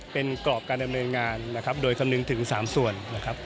เป็นกรอบการดำเนินงานนะครับโดยคำนึงถึง๓ส่วนนะครับ